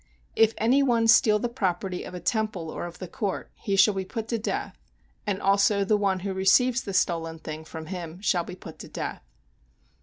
If any one steal the property of a temple or of the court, he shall be put to death, and also the one who receives the stolen thing from him shall be put to death.